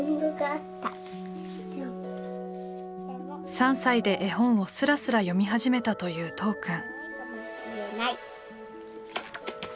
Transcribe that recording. ３歳で絵本をすらすら読み始めたという都央くん。